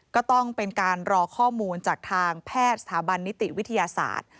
ก็ต้องเป็นการรอข้อมูลจากทางแพทย์สถาบันนิติวิทยาศาสตร์